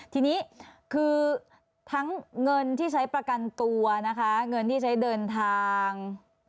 ทีนี้คือทั้งเงินที่ใช้ประกันตัวนะคะเงินที่ใช้เดินทาง